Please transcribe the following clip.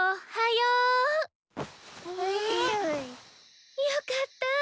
よかった。